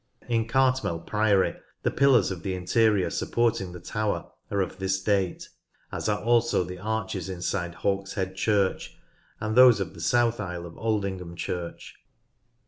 In Cartmel Priory, the pillars of the interior supporting the tower are of this date, as are also the arches inside Hawkshead Church, and those of the south aisle of Aldingham Church.